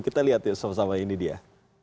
kita lihat sama sama ini dia